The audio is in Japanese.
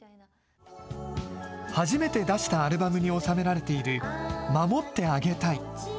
初めて出したアルバムに収められている、守ってあげたい。